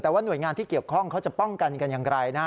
แต่ว่าหน่วยงานที่เกี่ยวข้องเขาจะป้องกันกันอย่างไรนะฮะ